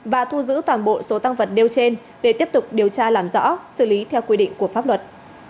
và thu giữ toàn bộ số tăng vật nêu trên để tiếp tục điều tra làm rõ xử lý theo quy định của pháp luật